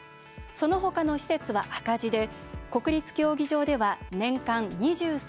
そのほかの施設は赤字で国立競技場では年間２３．７億円。